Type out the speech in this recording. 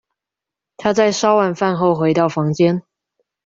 她在燒完飯後回到房間